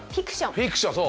フィクションそう。